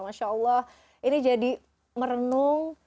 masya allah ini jadi merenung